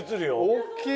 大きい！